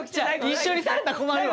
一緒にされたら困るわ。